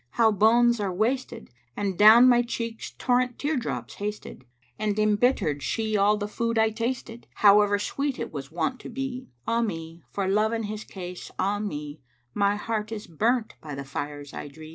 How bones are wasted * And down my cheeks torrent tear drops hasted: And embittered She all the food I tasted * However sweet it was wont to be: 'Ah me, for Love and his case, ah me: My heart is burnt by the fires I dree!'